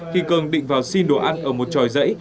khi cường định vào xin đồ ăn ở một tròi dãy